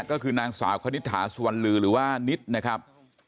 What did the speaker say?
ก็คือนางสาวคณิตถาสุวรรณลือหรือว่านิดนะครับ